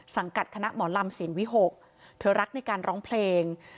กับคณะหมอลำเสียงวิหกเธอรักในการร้องเพลง